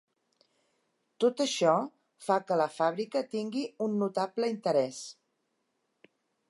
Tot això fa que la fàbrica tingui un notable interès.